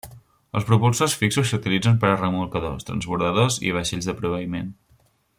Els propulsors fixos s'utilitzen per a remolcadors, transbordadors i vaixells de proveïment.